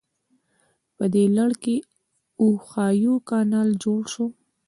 په دې لړ کې اوهایو کانال جوړ شو.